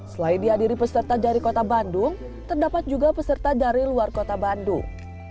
selain dihadiri peserta dari kota bandung terdapat juga peserta dari luar kota bandung